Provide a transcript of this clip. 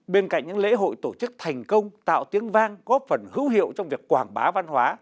bên cạnh những lễ hội tổ chức thành công tạo tiếng vang góp phần hữu hiệu trong việc quảng bá văn hóa